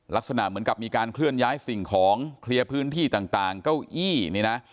ลักษณะเหมือนกับมีการเคลื่อนย้ายสิ่งของเคลียร์พื้นที่ต่างเก้าอี้นี่นะ